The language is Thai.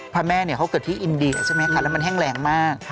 พระแม่เขาเกิดที่อินเดียใช่ไหมคะแล้วมันแห้งแรงมาก